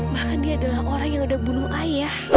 bahkan dia adalah orang yang udah bunuh ayah